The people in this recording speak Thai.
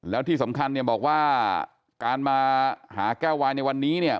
แล้วที่สำคัญเนี่ยบอกว่าการมาหาแก้ววายในวันนี้เนี่ย